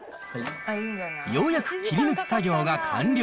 ようやく切り抜き作業が完了。